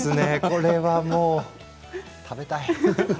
これはもう食べたい。